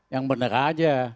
yang bener aja